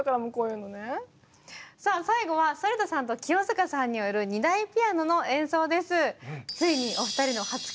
さあ最後は反田さんと清塚さんによる２台ピアノの演奏です。